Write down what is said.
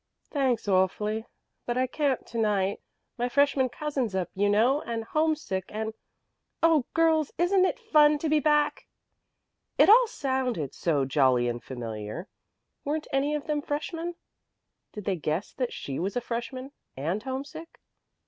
"Thanks awfully, but I can't to night. My freshman cousin's up, you know, and homesick and " "Oh, girls, isn't it fun to be back?" It all sounded so jolly and familiar. Weren't any of them freshmen? Did they guess that she was a freshman "and homesick"?